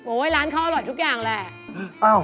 โอ๊ยร้านเค้าอร่อยทุกอย่างแหละ